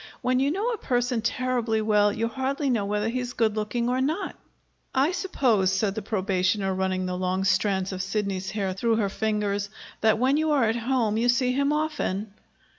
"When you know a person terribly well, you hardly know whether he's good looking or not." "I suppose," said the probationer, running the long strands of Sidney's hair through her fingers, "that when you are at home you see him often."